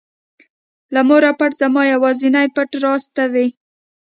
له موره پټ زما یوازینى پټ راز ته وې.